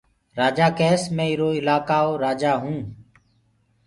رآجآ ڪيس مي ايرو الآڪآئو رآجآئو